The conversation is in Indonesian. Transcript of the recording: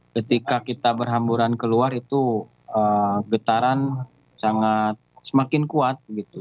ketika kita berhamburan keluar itu getaran sangat semakin kuat